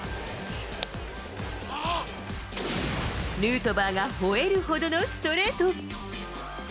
ヌートバーがほえるほどのストレート。